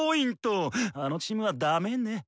あのチームはダメネ！